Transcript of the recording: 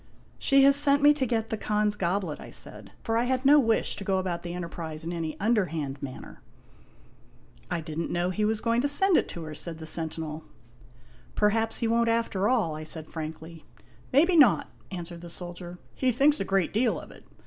" She has sent me to get the Khan's goblet," I said, for I had no wish to go about the enterprise in any underhand manner. " I did n't know he was going to send it to her," said the sentinel. " Perhaps he won't after all," I said frankly. " Maybe not," answered the soldier; "he thinks a great deal of it.